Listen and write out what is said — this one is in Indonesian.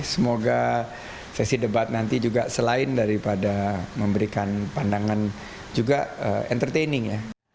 semoga sesi debat nanti juga selain daripada memberikan pandangan juga entertaining ya